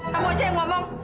kamu aja yang ngomong